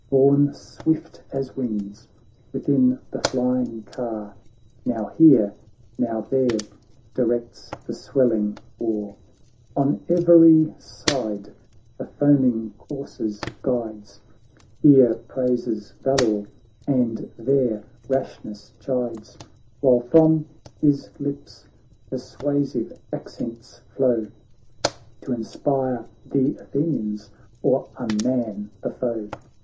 Borne swift as winds within the flying car. Now here, now there, directs the swell ing war, On every side the foaming coursers guides, Here praises valour, and there rashness chides ; While from his lips persuasive accents flow T' inspire th' Athenians, or unman the foe.